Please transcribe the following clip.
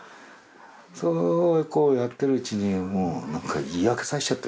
そうこうやってるうちにもう何か嫌気さしちゃってね。